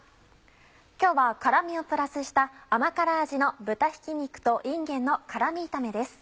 今日は辛みをプラスした甘辛味の「豚ひき肉といんげんの辛み炒め」です。